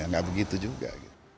tidak begitu juga